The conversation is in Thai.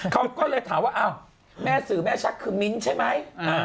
เขาก็เลยถามว่าอ้าวแม่สื่อแม่ชักคือมิ้นท์ใช่ไหม